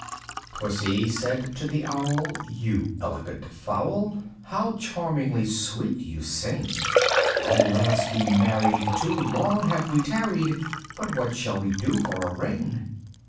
II. Pussy said to the Owl, "You elegant fowl! How charmingly sweet you sing! O let us be married! too long we have tarried: But what shall we do for a ring?"